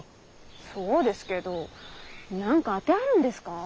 そうですけど何か「あて」あるんですかぁ？